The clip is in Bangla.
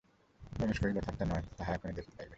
রমেশ কহিল, ঠা ঠাট্টা নয় তাহা এখনি দেখিতে পাইবে।